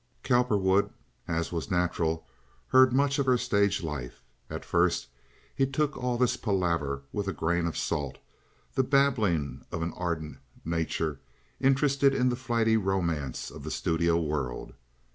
Cowperwood, as was natural, heard much of her stage life. At first he took all this palaver with a grain of salt, the babbling of an ardent nature interested in the flighty romance of the studio world.